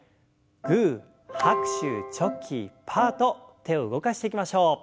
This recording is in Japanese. グー拍手チョキパーと手を動かしていきましょう。